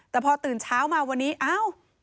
แต่พอตื่นเช้ามาวันนี้อ้าว